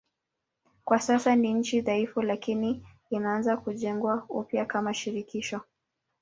Kwa sasa ni nchi dhaifu lakini inaanza kujengwa upya kama shirikisho.